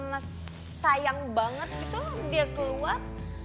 mas sayang banget gitu dia keluar